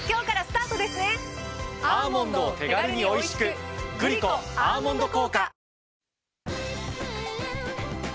アーモンドを手軽においしくグリコ「アーモンド効果」。